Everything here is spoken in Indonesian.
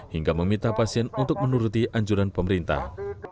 hingga meminta pasien untuk menuruti anjuran pemerintah